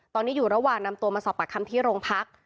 ตอนนี้อยู่ระหว่างนำตัวมาสอบปากคำที่โรงพัก